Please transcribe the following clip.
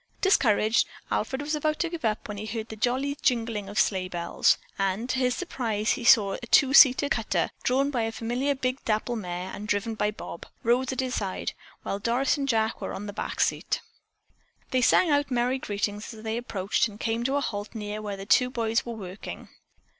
Discouraged, Alfred was about to give up when he heard the jolly jingling of sleigh bells, and to his surprise saw a two seated cutter, drawn by a familiar big dapple mare and driven by Bob. Rose sat at his side, while Doris and Jack were on the back seat. They sang out merry greetings as they approached and came to a halt near where the two boys were working.